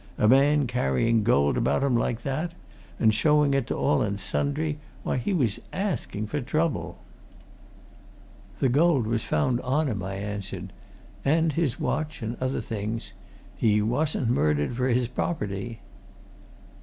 A man carrying gold about him like that! and showing it to all and sundry. Why, he was asking for trouble!" "The gold was found on him," I answered. "And his watch and other things. He wasn't murdered for his property."